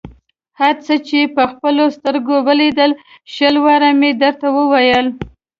هر څه یې په خپلو سترګو ولیدل، شل وارې مې درته وویل.